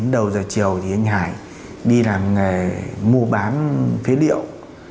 đầu giờ chiều thì anh hải đi làm nghề mua bán phế liệu